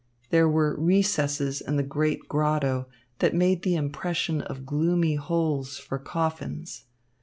There were recesses in the great grotto that made the impression of gloomy holes for coffins.